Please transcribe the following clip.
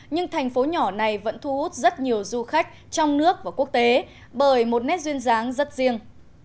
nhưng thành phố nhỏ này vẫn thu hút rất nhiều du khách trong nước và quốc tế bởi một nét duyên dáng rất riêng